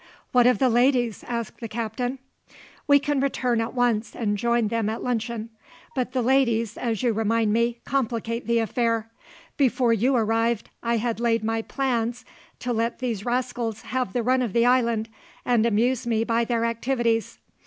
"What of the ladies?" asked the Captain. "We can return at once and join them at luncheon. But the ladies, as you remind me, complicate the affair. Before you arrived, I had laid my plans to let these rascals have the run of the island and amuse me by their activities.